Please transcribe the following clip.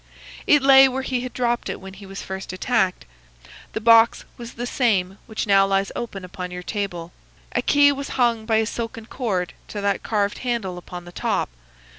"It lay where he had dropped it when he was first attacked. The box was the same which now lies open upon your table. A key was hung by a silken cord to that carved handle upon the top.